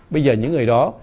bây giờ những người đó